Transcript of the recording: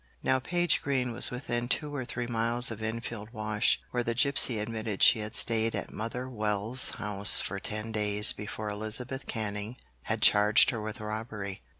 Now Page Green was within two or three miles of Enfield Wash, where the gipsy admitted she had stayed at Mother Wells' house for ten days before Elizabeth Canning had charged her with robbery.